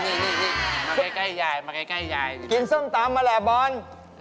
นี่ลิปสติกหรือว่าสีขูทุนหน่วง